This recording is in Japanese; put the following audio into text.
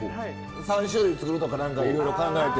３種類作るとか何かいろいろ考えて。